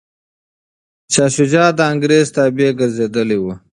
شاه شجاع د انګریز تابع ګرځېدلی و.